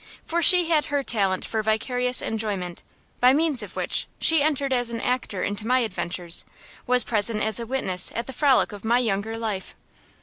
For she had her talent for vicarious enjoyment, by means of which she entered as an actor into my adventures, was present as a witness at the frolic of my younger life.